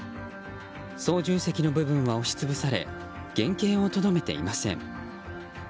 操縦席の部分は押し潰され原形をとどめていません。